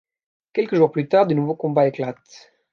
Quelques jours plus tard, de nouveaux combats éclatent.